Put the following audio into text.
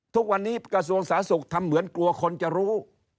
ทุกวันนี้กระทรวงสาธารณสุขทำเหมือนกลัวคนจะรู้